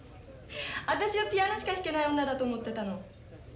私をピアノしか弾けない女だと思ってたの。